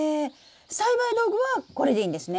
栽培道具はこれでいいんですね？